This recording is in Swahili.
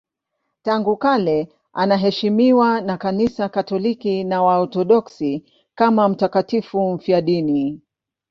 Tangu kale anaheshimiwa na Kanisa Katoliki na Waorthodoksi kama mtakatifu mfiadini.